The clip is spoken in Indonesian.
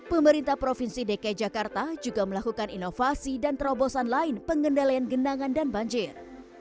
pemerintah provinsi dki jakarta juga melakukan inovasi dan terobosan lain pengendalian genangan dan banjir